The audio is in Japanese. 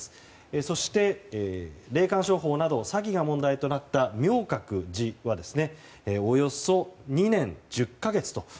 そして、霊感商法など詐欺が問題となった明覚寺はおよそ２年１０か月と。